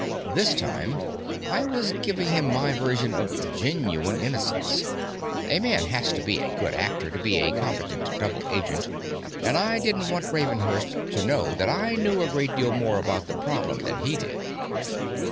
This time, I was giving him my version of "genuine" innocence. A man has to be a good actor to be a competent double agent, and I didn't want Ravenhurst to know that I knew a great deal more about the problem than he did.